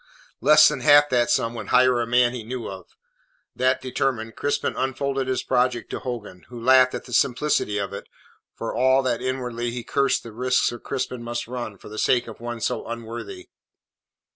Less than half that sum would hire the man he knew of. That determined, Crispin unfolded his project to Hogan, who laughed at the simplicity of it, for all that inwardly he cursed the risk Sir Crispin must run for the sake of one so unworthy.